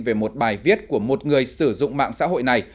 về một bài viết của một người sử dụng mạng xã hội này